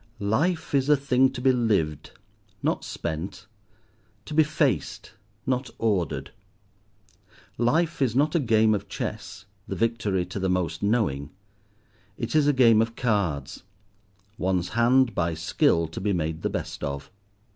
Life is a thing to be lived, not spent, to be faced, not ordered. Life is not a game of chess, the victory to the most knowing; it is a game of cards, one's hand by skill to be made the best of.